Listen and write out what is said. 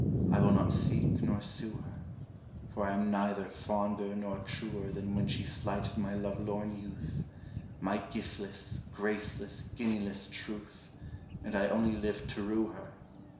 I will not seek nor sue her, For I'm neither fonder nor truer Than when she slighted my lovelorn youth, My giftless, graceless, guinealess truth, And I only lived to rue her.